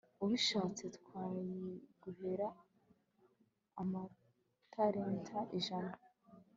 ubishatse, twayiguhera amatalenta ijana